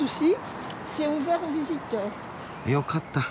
よかった。